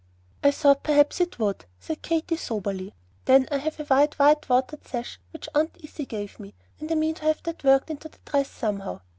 "I thought perhaps it would," said Katy, soberly. "Then I have a wide white watered sash which Aunt Izzy gave me, and I mean to have that worked into the dress somehow.